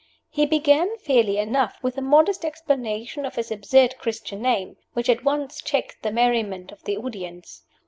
He began, fairly enough, with a modest explanation of his absurd Christian name, which at once checked the merriment of the audience.